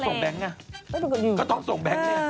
ก็นี่ไงก็ต้องส่งแบงค์